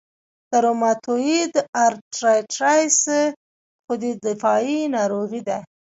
د روماتویید ارترایټرایټس خودي دفاعي ناروغي ده.